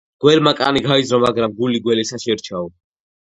გველმა კანი გაიძრო, მაგრამ გული გველისა შერჩაო